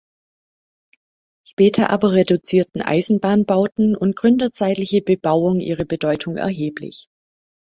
Später aber reduzierten Eisenbahnbauten und gründerzeitliche Bebauung ihre Bedeutung erheblich.